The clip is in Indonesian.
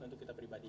untuk kita pribadi